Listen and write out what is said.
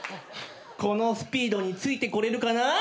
このスピードについてこれるかな？